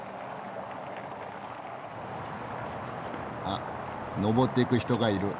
あっ上っていく人がいる。